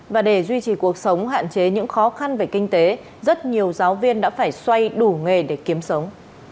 và để duy trì cuộc sống hạn chế những khó khăn về kinh tế rất nhiều giáo viên đã phải xoay đủ nghề để kiếm sống